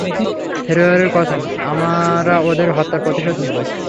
ফ্রেয়রের কসম, আমরা ওদের হত্যার প্রতিশোধ নিবো।